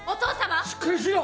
しっかりしろ！